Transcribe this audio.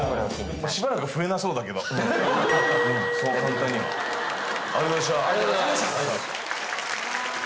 簡単にはありがとうございました